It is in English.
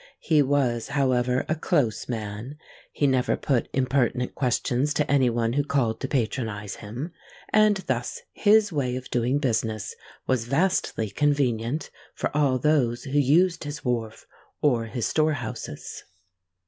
He was, however, a close man: he never put impertinent questions to any one who called to patronise him; and thus his way of doing business was vastly convenient for all those who used his wharf or his store houses.